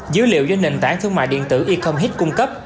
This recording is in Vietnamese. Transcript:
dữ liệu do nền tảng thương mại điện tử ecomhit cung cấp